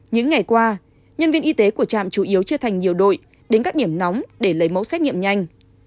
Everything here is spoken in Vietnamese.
những ngày qua nhân viên y tế của trạm chủ yếu chia thành nhiều đội đến các điểm nóng để lấy mẫu xét nghiệm nhanh